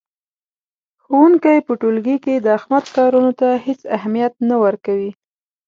ښوونکی په ټولګي کې د احمد کارونو ته هېڅ اهمیت نه ورکوي.